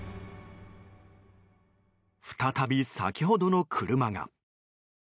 再び、先ほどの車が。